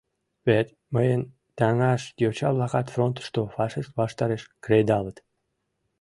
Вет мыйын таҥаш йоча-влакат фронтышто фашист ваштареш кредалыт.